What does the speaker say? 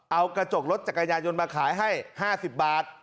เอากระจกรถจักรยานยนต์มาขายให้๕๐บาท